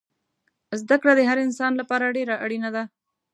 زده کړه دهر انسان لپاره دیره اړینه ده